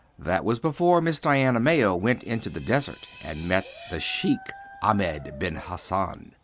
That was before Miss Diana Mayo went into the desert and met the Sheik Ahmed Ben Hassan.